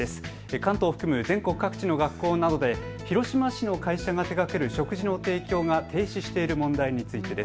関東を含む全国各地の学校などで広島市の会社が手がける食事の提供が停止している問題についてです。